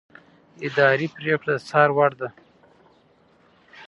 اداري پرېکړه د څار وړ ده.